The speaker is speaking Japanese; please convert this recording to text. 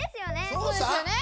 そうですよね！